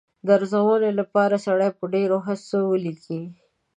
د ارزونې لپاره سړی په ډېرو هڅو ولیکي.